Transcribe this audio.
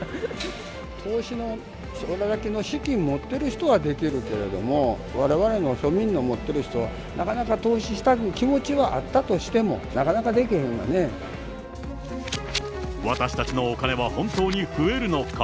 投資のそれだけの資金を持ってる人はできるけれども、われわれ庶民の持ってる人は、なかなか投資したい気持ちはあったとしても、私たちのお金は本当に増えるのか。